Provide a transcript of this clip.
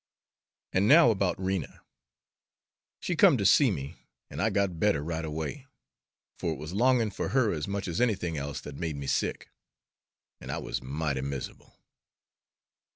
And now about Rena. She come to see me, and I got better right away, for it was longing for her as much as anything else that made me sick, and I was mighty mizzable.